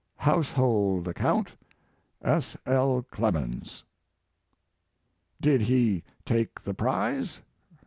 Household Account. S. L. CLEMENS. 4 Did he take the prize?